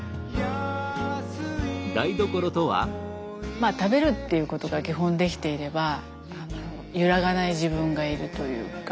まあ食べるっていうことが基本できていれば揺らがない自分がいるというか。